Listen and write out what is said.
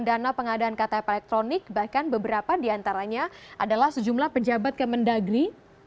karena pengadaan ktp elektronik bahkan beberapa diantaranya adalah sejumlah pejabat kemendagri